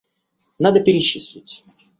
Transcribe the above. Надо перечислить.